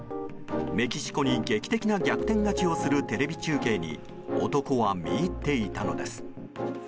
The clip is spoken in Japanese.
メキシコに劇的な逆転勝ちをするテレビ中継に男は見入っていたのです。